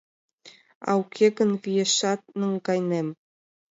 А уке гын, виешат наҥгайынем».